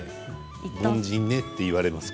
凡人ね、って言われます